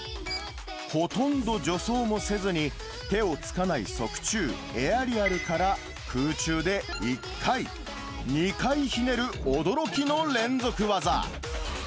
ほとんど助走もせずに、手をつかない側宙、エアリアルから、空中で１回、２回ひねる驚きの連続技。